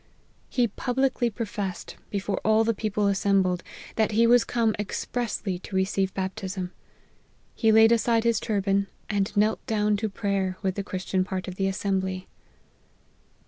He publicly professed, before all the people assembled, that he was come expressly to receive baptism. He laid aside his turban, and knelt down to prayer with the Christian part of the assembly.